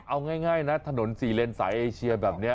เอาง่ายนะถนน๔เลนสายเอเชียแบบนี้